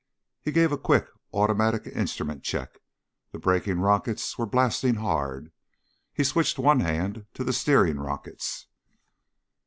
He gave a quick, automatic instrument check. The braking rockets were blasting hard. He switched one hand to the steering rockets.